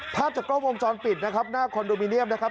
ภาพจากกล้องวงจรปิดนะครับหน้าคอนโดมิเนียมนะครับ